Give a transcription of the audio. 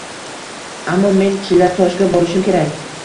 Ammo men Chillatoshga borishim kerak